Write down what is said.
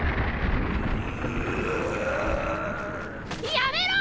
やめろ！